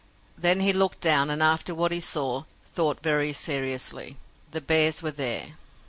Then he looked down, and, after what he saw, thought very seriously. The bears were there!